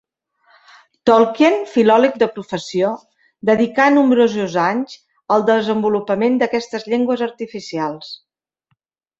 Tolkien, filòleg de professió, dedicà nombrosos anys al desenvolupament d'aquestes llengües artificials.